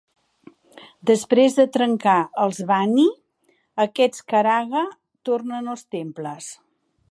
Després de trencar els Banni, aquests karaga tornen als temples.